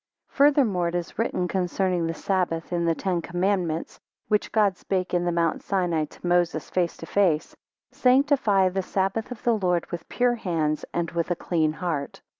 FURTHERMORE it is written concerning the sabbath, in the Ten Commandments, which God spake in the mount Sinai to Moses, face to face: Sanctify the sabbath of the Lord with pure hands, and with a clean heart.